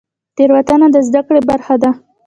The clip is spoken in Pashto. تیروتنه د زده کړې برخه ده؟